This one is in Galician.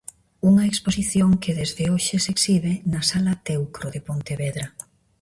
Unha exposición que desde onte se exhibe na sala "Teucro" de Pontevedra.